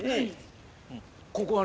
ここはね